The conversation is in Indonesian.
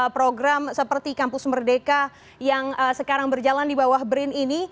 program seperti kampus merdeka yang sekarang berjalan di bawah brin ini